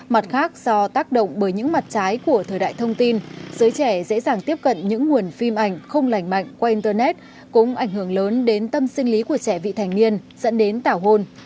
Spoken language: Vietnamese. mặt khác do tác động bởi những mặt trái của thời đại thông tin giới trẻ dễ dàng tiếp cận những nguồn phim ảnh không lành mạnh qua internet cũng ảnh hưởng lớn đến tâm sinh lý của trẻ vị thành niên dẫn đến tảo hôn